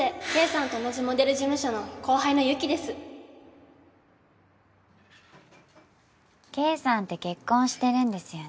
圭さんと同じモデル事務所の後輩のユキです圭さんって結婚してるんですよね？